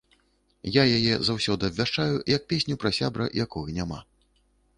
Я яе заўсёды абвяшчаю як песню пра сябра, якога няма.